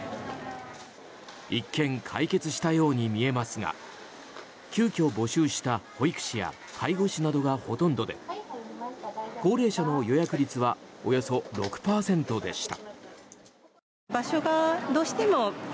一見解決したように見えますが急遽、募集した保育士や介護士などがほとんどで高齢者の予約率はおよそ６％でした。